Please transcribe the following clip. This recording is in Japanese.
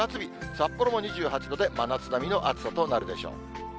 札幌も２８度で真夏並みの暑さとなるでしょう。